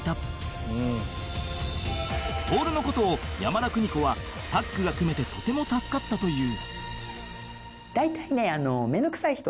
徹の事を山田邦子はタッグが組めてとても助かったという